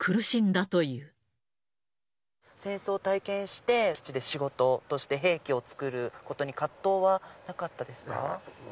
戦争体験して、基地で仕事として兵器を作ることに葛藤はなかったですか？